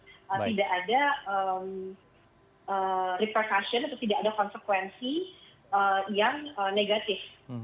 tidak ada repression atau tidak ada konsekuensi yang negatif